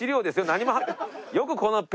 何も。